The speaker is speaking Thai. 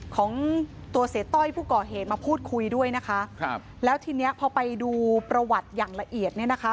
ของตัวเสียต้อยผู้ก่อเหตุมาพูดคุยด้วยนะคะครับแล้วทีเนี้ยพอไปดูประวัติอย่างละเอียดเนี่ยนะคะ